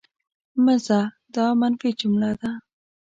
مه ځه! دا منفي جمله ده.